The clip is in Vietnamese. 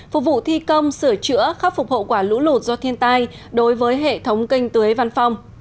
phục vụ thi công sửa chữa khắc phục hậu quả lũ lụt do thiên tai đối với hệ thống canh tưới văn phong